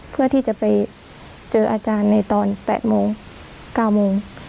เพื่อที่จะไปเจออาจารย์ในตอน๘โมง๙โมง